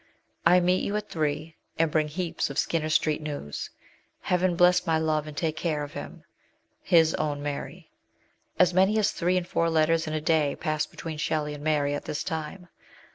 I meet you at three, and bring heaps of Skinner St. news. Heaven bless my love and take care of him. His OWN MART. As many as three and four letters in a day pass between Shelley and Mary at this time.